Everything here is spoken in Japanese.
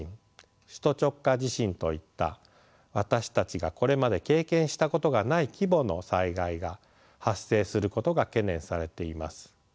首都直下地震といった私たちがこれまで経験したことがない規模の災害が発生することが懸念されています。